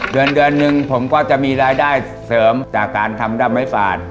เดือนเดือนหนึ่งผมก็จะมีรายได้เสริมจากการทำดำไม้ฝาด